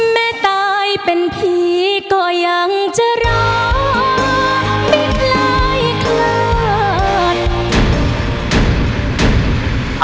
แม้ตายเป็นผีก็ยังจะรักมีคลายอีกลาด